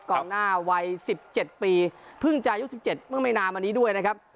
กองหน้าวัยสิบเจ็ดปีพึ่งใจยุคสิบเจ็ดเมื่อไม่นานมานี้ด้วยนะครับ